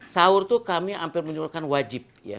sahur tuh kami ampir menyuruhkan wajib ya